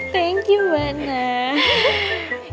thank you mbak non